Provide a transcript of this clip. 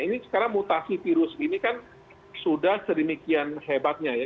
ini sekarang mutasi virus ini kan sudah sedemikian hebatnya ya